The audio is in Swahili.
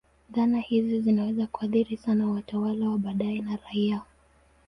Dhana hizi zinaweza kuathiri sana watawala wa baadaye na raia.